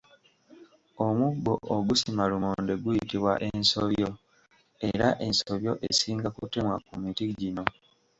Omuggo ogusima lumonde guyitibwa ensobyo era ensobyo esinga kutemwa ku miti gino.